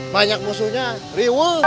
banyak musuhnya riwet